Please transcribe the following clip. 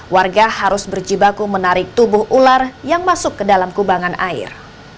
warga harus berjibaku menarik tubuh ular yang masuk ke dalam kubangan air